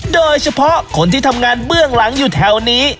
โดยเฉพาะคนที่ทำงานเบื้องหลังอยู่แถวนี้